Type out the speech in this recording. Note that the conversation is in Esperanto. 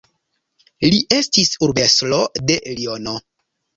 Li estis urbestro de Liono.